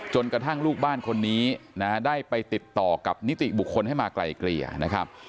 กระทั่งลูกบ้านคนนี้นะได้ไปติดต่อกับนิติบุคคลให้มาไกลเกลี่ยนะครับ